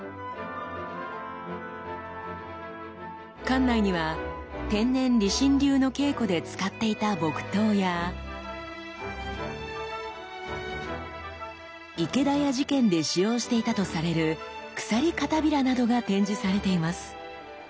館内には天然理心流の稽古で使っていた木刀や池田屋事件で使用していたとされる鎖帷子などが展示されています。